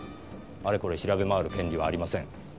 あれこれ調べ回る権利はありません。